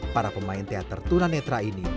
para pemain teater tunanetra ini